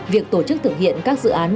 việc tổ chức thực hiện các dự án